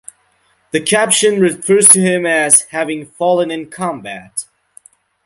The caption refers to him as having "fallen in combat".